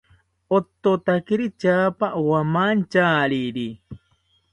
Ototakiri tyaapa owamantyariri